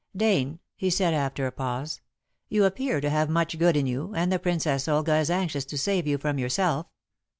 "Dane," he said, after a pause, "you appear to have much good in you, and the Princess Olga is anxious to save you from yourself.